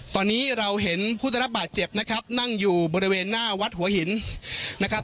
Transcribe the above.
ตอนนี้เราเห็นผู้ได้รับบาดเจ็บนะครับนั่งอยู่บริเวณหน้าวัดหัวหินนะครับ